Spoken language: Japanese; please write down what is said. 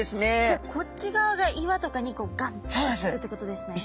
じゃあこっち側が岩とかにこうガンってくっつくってことですね。